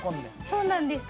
そうなんです。